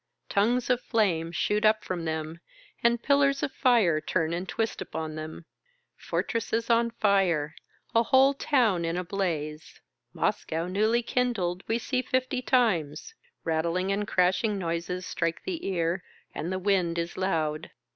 Tongues of flame shoot up from them, and piUars of fire turn and twist upon them. Fortresses on fire, a whole town in a blaze ; Moscow newly kindled, we see fifty times ; rattling and crashing noises strike the ear, and the wind is loud.